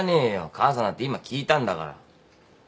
母さんだって今聞いたんだから。